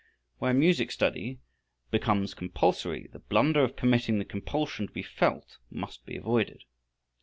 Where music study becomes compulsory the blunder of permitting the compulsion to be felt must be avoided.